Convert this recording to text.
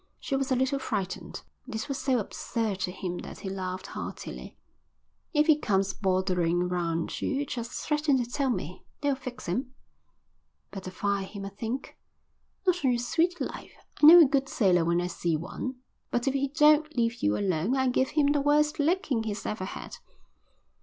She was a little frightened. This was so absurd to him that he laughed heartily. "If he comes bothering round you, you just threaten to tell me. That'll fix him." "Better fire him, I think." "Not on your sweet life. I know a good sailor when I see one. But if he don't leave you alone I'll give him the worst licking he's ever had."